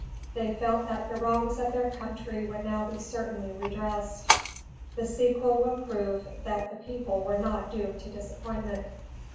They felt that the wrongs of their country would now be certainly redressed. The sequel will prove that the people were not doomed to disappointment.